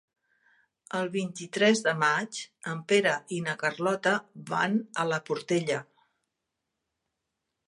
El vint-i-tres de maig en Pere i na Carlota van a la Portella.